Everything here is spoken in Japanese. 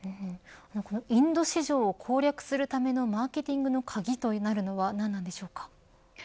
インド市場を攻略するためのマーケティングの鍵となるのは何なんでしょうか。